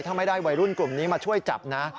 ถ้าไม่ได้วัยรุ่นกลุ่มนี้มาช่วยจับนะ